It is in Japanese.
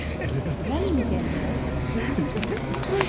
何見てんの？